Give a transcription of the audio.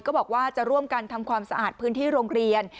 บอกว่าจะร่วมกันทำความสะอาดพื้นที่โรงเรียน